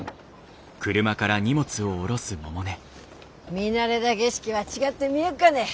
見慣れだ景色は違って見えっかねえ。